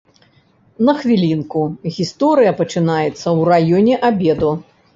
На хвілінку, гісторыя пачынаецца ў раёне абеду.